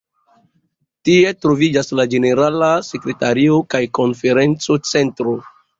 Tie troviĝas la ĝenerala sekretario kaj konferenco-centro.